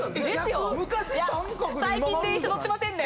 最近電車乗ってませんね？